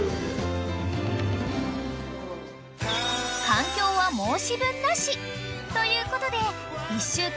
［環境は申し分なしということで］